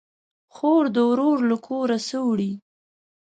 خور ده ورور له کوره سه وړي